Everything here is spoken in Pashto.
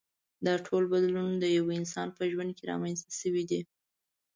دا ټول بدلونونه د یوه انسان په ژوند کې رامنځته شوي دي.